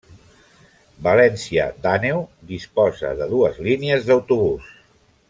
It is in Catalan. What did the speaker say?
València d'Àneu disposa de dues línies d'autobús.